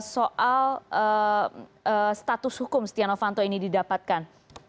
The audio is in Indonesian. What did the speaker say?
soal status hukum setia novanto ini didapatkan